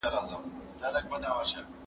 پلان د ښوونکي له خوا منظميږي!؟